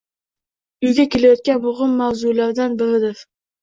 Unga kelayotgan muhim mavzulardan biridir.